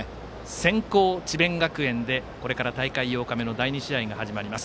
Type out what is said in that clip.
先攻、智弁学園でこれから大会８日目の第２試合が始まります。